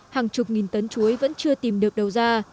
hàng chục nghìn tấn chuối vẫn chưa tìm được đầu ra